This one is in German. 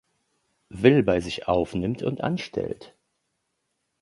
Will bei sich aufnimmt und anstellt.